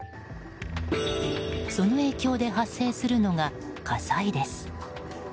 その影響で発生するのが火災です。